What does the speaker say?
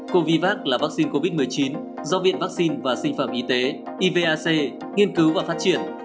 covax là vaccine covid một mươi chín do viện vaccine và sinh phẩm y tế ivac nghiên cứu và phát triển